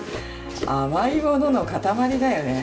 甘いものの塊だよね。